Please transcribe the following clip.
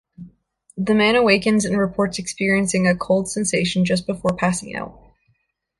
The man awakens and reports experiencing a cold sensation just before passing out.